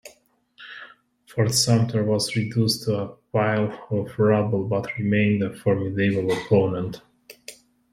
Fort Sumter was reduced to a pile of rubble, but remained a formidable opponent.